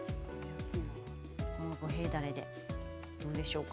五平だれでどうでしょうか？